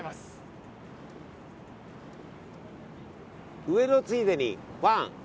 上野ついでに、ワン！